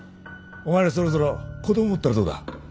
お前らそろそろ子供持ったらどうだ？